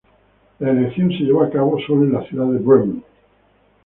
La elección se llevó a cabo sólo en la ciudad de Bremen.